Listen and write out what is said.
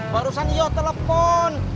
barusan iya telpon